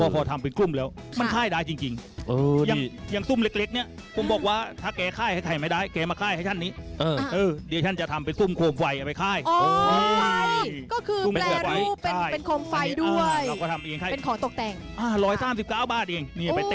พอทำเป็นกุ้มนจริง